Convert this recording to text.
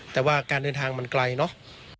แต่ว่าการเดินทางมันไกลเนอะ